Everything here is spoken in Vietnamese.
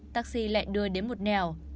taxi lại đưa đến một nẻo